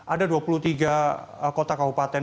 ada dua puluh tiga kota kau paten